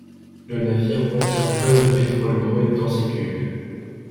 Le navire contient tonnes de pétrole brut dans ses cuves.